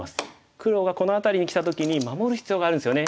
黒がこの辺りにきた時に守る必要があるんですよね。